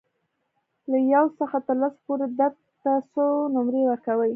له یو څخه تر لسو پورې درد ته څو نمرې ورکوئ؟